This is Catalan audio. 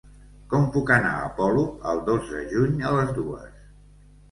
Com puc anar a Polop el dos de juny a les dues?